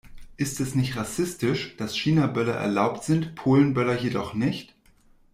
Ist es nicht rassistisch, dass Chinaböller erlaubt sind, Polenböller jedoch nicht?